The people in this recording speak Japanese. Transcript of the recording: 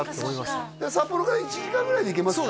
そっかそっか札幌から１時間ぐらいで行けますか？